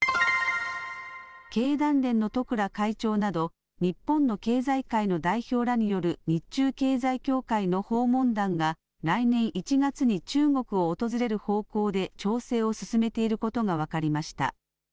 経団連の十倉会長など、日本の経済界の代表らによる、日中経済協会の訪問団が、来年１月に中国を訪れる方向で調整を進めていることが分かりました。